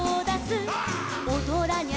「おどらにゃ